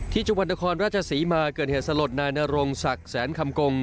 ที่จังหวัดนครราชสีมาเกิดเหตุสลดในหน้าโรงสักแสนคำกง